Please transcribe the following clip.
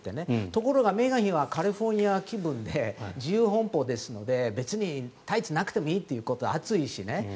ところがメーガン妃はカリフォルニア気分で自由奔放ですので別にタイツがなくてもいいという暑いしね。